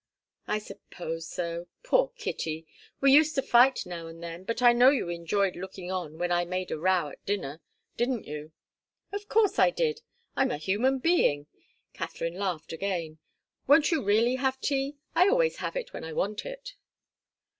"I suppose so. Poor Kitty! We used to fight now and then, but I know you enjoyed looking on when I made a row at dinner. Didn't you?" "Of course I did. I'm a human being." Katharine laughed again. "Won't you really have tea? I always have it when I want it."